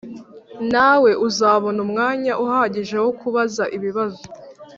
Nawe uzabona umwanya uhagije wo kubaza ibibazo